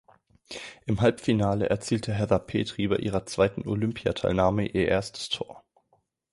Im Halbfinale erzielte Heather Petri bei ihrer zweiten Olympiateilnahme ihr erstes Tor.